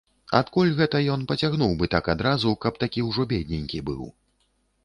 Адкуль гэта ён пацягнуў бы так адразу, каб такі ўжо бедненькі быў.